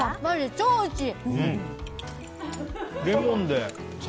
超おいしい！